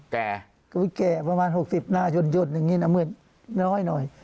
แก่แก่ประมาณ๖๐หน้ายนต์ยนต์อย่างนี้นะเหมือนน้อยหน่อย